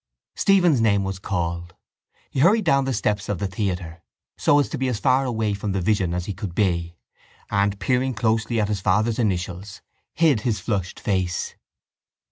Stephen's name was called. He hurried down the steps of the theatre so as to be as far away from the vision as he could be and, peering closely at his father's initials, hid his flushed face.